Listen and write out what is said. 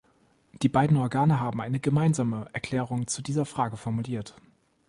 Die beiden Organe haben eine gemeinsame Erklärung zu dieser Frage formuliert.